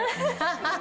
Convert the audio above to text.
ハハハ！